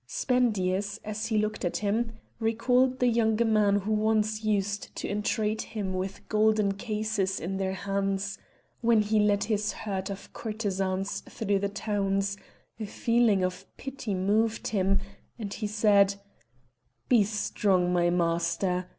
Spendius, as he looked at him, recalled the young men who once used to entreat him with golden cases in their hands, when he led his herd of courtesans through the towns; a feeling of pity moved him, and he said— "Be strong, my master!